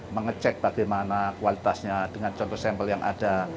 mengecek bagaimana kualitasnya dengan contoh sampel yang ada